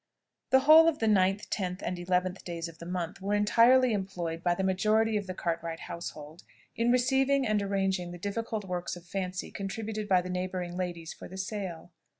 The whole of the 9th, 10th, and 11th days of the month were entirely employed by the majority of the Cartwright household in receiving and arranging the different works of fancy contributed by the neighbouring ladies for the sale.